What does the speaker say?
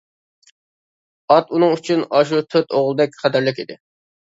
ئات ئۇنىڭ ئۈچۈن ئاشۇ تۆت ئوغلىدەك قەدىرلىك ئىدى.